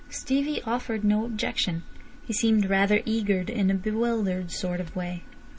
Stevie offered no objection. He seemed rather eager, in a bewildered sort of way.